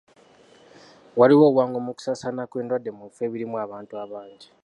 Waliwo obwangu mu kusaasaana kw'endwadde mu bifo ebirimu abantu abangi.